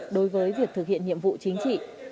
đối với việc thực hiện nhiệm vụ chính trị